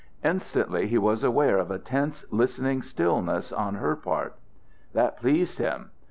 Instantly he was aware of a tense listening stillness on her part. That pleased him.